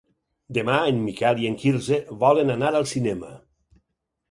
Demà en Miquel i en Quirze volen anar al cinema.